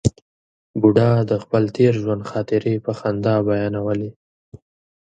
بوډا د خپل تېر ژوند خاطرې په خندا بیانولې.